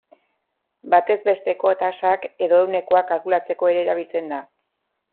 Batez besteko tasak edo ehunekoak kalkulatzeko ere erabiltzen da.